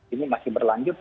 ini masih berlanjut